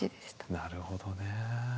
なるほどね。